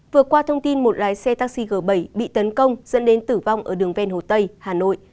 vừa qua thông tin một lái xe taxi g bảy bị tấn công dẫn đến tử vong ở đường ven hồ tây hà nội